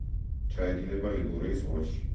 ჩაედინება ლიგურიის ზღვაში.